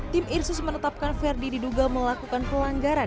tim irsus menetapkan ferdi diduga melakukan pelanggaran